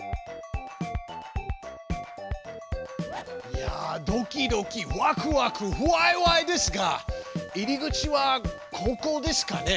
いやドキドキワクワクＷｈｙＷｈｙですが入り口はここですかね？